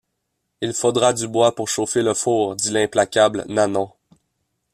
Il faudra du bois pour chauffer le four, dit l’implacable Nanon.